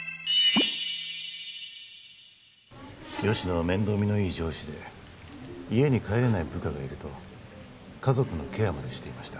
吉乃は面倒見のいい上司で家に帰れない部下がいると家族のケアまでしていました